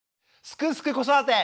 「すくすく子育て」。